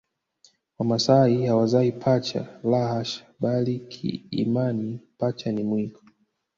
Wamasai hawazai pacha la hasha bali kiimani pacha ni mwiko